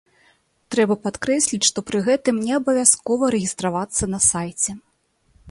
Трэба падкрэсліць, што пры гэтым не абавязкова рэгістравацца на сайце.